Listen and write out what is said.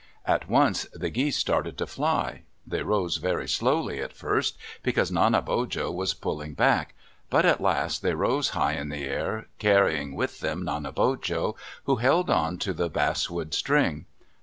At once the geese started to fly. They rose very slowly at first, because Nanebojo was pulling back, but at last they rose high in the air, carrying with them Nanebojo, who held on to the basswood string.